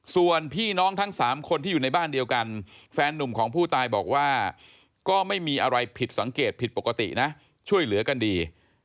ส่วนพี่น้องทั้ง๓คนที่อยู่ในบ้านเดียวกันแฟนนุ่มของผู้ตายบอกว่าก็ไม่มีอะไรผิดสังเกตผิดปกตินะช่วยเหลือกันดี